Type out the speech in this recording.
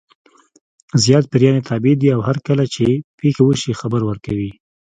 زیات پیریان یې تابع دي او هرکله چې پېښه وشي خبر ورکوي.